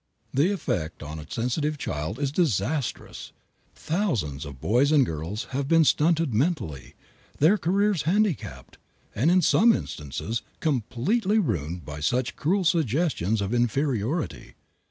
The effect on a sensitive child is disastrous. Thousands of boys and girls have been stunted mentally, their careers handicapped, and in some instances completely ruined by such cruel suggestions of inferiority.